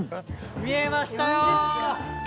見えましたよ！